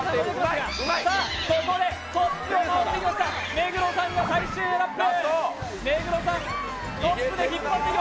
目黒さんが最終ラップ。